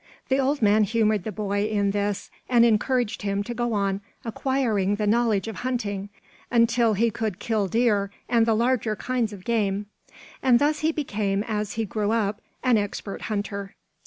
The old man humored the boy in this and encouraged him to go on acquiring the knowledge of hunting, until he could kill deer and the larger kinds of game. And thus he became, as he grew up, an expert hunter.